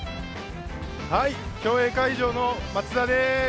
競泳会場の松田です。